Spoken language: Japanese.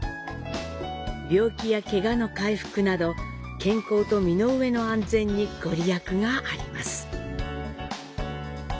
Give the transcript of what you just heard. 病気やけがの回復など、健康と身の上の安全にご利益があります。